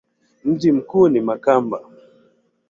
Mji mkuu ni Makamba.